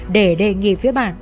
để đề nghị phía bản